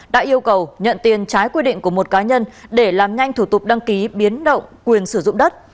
đã yêu cầu nhận tiền trái quy định của một cá nhân để làm nhanh thủ tục đăng ký biến động quyền sử dụng đất